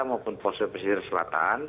maupun poso pesisir selatan